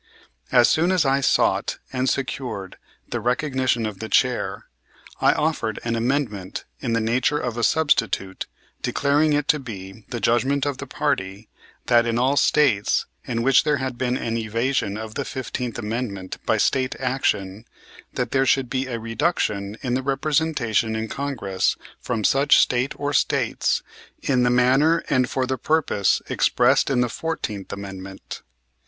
As soon as I sought and secured the recognition of the chair, I offered an amendment in the nature of a substitute, declaring it to be the judgment of the party that in all States in which there had been an evasion of the Fifteenth Amendment by State action, that there should be a reduction in the representation in Congress from such State or States in the manner and for the purpose expressed in the Fourteenth Amendment.